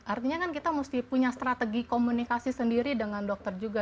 artinya kan kita mesti punya strategi komunikasi sendiri dengan dokter juga